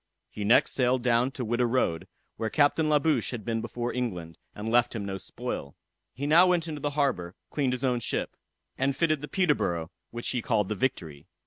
He next sailed down to Whydah road, where Captain La Bouche had been before England, and left him no spoil. He now went into the harbor, cleaned his own ship, and fitted up the Peterborough, which he called the Victory.